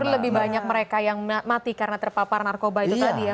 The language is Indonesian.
tapi lebih banyak mereka yang mati karena terpapar narkoba itu tadi ya